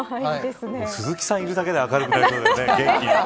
鈴木さんいるだけで明るくなりそうですね。